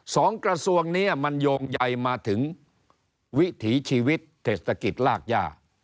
สองกระทรวงนี้มันโยงใหญ่มาถึงวิถีชีวิตเทศตะกิจรากย่า